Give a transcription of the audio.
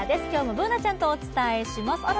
今日もＢｏｏｎａちゃんとお伝えします